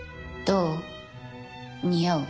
どう？